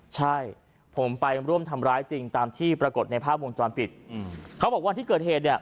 ใช่ผมไปร่วมทำร้ายจริงตามที่ปรากฏในภาพวงจรปิดอืมเขาบอกวันที่เกิดเหตุเนี่ย